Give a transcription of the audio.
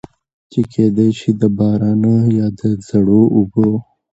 چې کېدے شي د بارانۀ يا د زړو اوبو